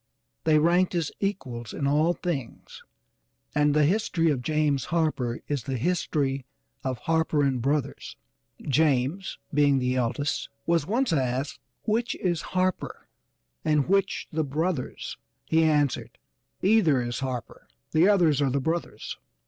They ranked as equals in all things, and the history of James Harper is the history of Harper & Brothers. James being the eldest was once asked, "Which is Harper and which the brothers?" He answered, "Either is Harper, the others are the brothers."